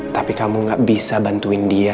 tapi kamu gak bisa bantuin dia